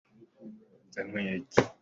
Fa ṭhalo nih an nu le an pa mual an phoh.